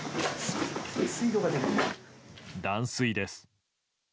断水です。